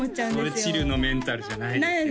それチルのメンタルじゃないですよ